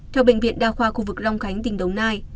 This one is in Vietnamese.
theo bệnh viện đa khoa khu vực long khánh tỉnh đồng nai